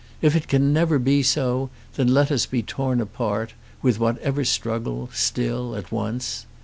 If it can never be so, then let us be torn apart, with whatever struggle, still at once.